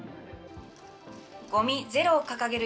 ごみゼロを掲げる